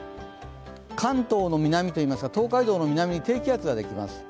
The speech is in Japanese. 関東の南というか東海道の南に低気圧ができます。